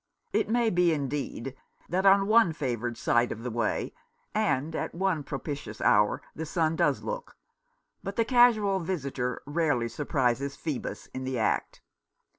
It may be indeed that on one favoured side of the way and at one propitious hour the sun does look ; but the casual visitor rarely surprises Phoebus in the act.